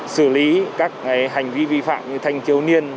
xử lý các hành vi vi phạm như thanh thiếu niên